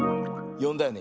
よんだよね？